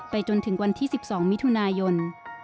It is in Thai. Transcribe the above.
จนถึงวันที่๑๒มิถุนายน